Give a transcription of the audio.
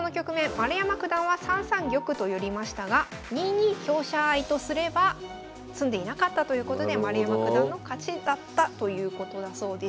丸山九段は３三玉と寄りましたが２二香車合とすれば詰んでいなかったということで丸山九段の勝ちだったということだそうです。